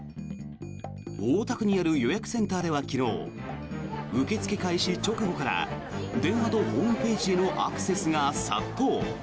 大田区にある予約センターでは昨日受け付け開始直後から電話とホームページへのアクセスが殺到。